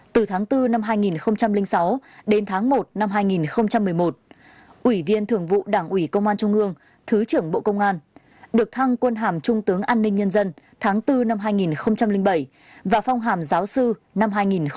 từ tháng bốn năm hai nghìn sáu đến tháng một năm hai nghìn một mươi một ủy viên thường vụ đảng ủy công an trung ương thứ trưởng bộ công an được thăng quân hàm trung tướng an ninh nhân dân tháng bốn năm hai nghìn bảy và phong hàm giáo sư năm hai nghìn một mươi